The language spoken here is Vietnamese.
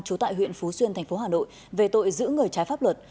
trú tại huyện phú xuyên thành phố hà nội về tội giữ người trái pháp luật